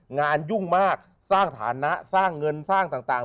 ยุ่งมากสร้างฐานะสร้างเงินสร้างต่าง